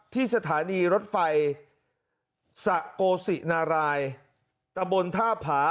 ที่สถานีรถไฟสะโกศินารายตะบนท่าผา